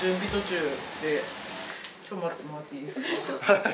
ちょっと待ってもらっていいですか。